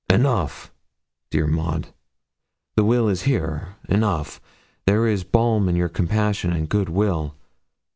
'Enough, dear Maud; the will is here enough: there is balm in your compassion and good will.